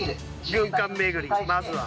◆軍艦めぐり、まずは。